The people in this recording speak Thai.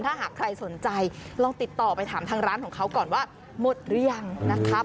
ถ้าหากใครสนใจลองติดต่อไปถามทางร้านของเขาก่อนว่าหมดหรือยังนะคะ